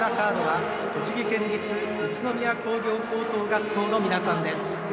栃木県立宇都宮工業高等学校の皆さんです。